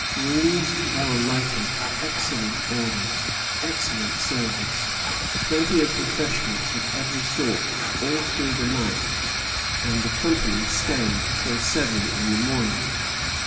Rooms well lighted, excellent order, excellent service, plenty of refreshments of every sort all through the night; and the company stayed till seven in the morning.